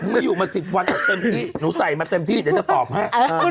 ไม่อยู่มา๑๐วันเต็มที่หนูใส่มาเต็มที่เดี๋ยวจะตอบให้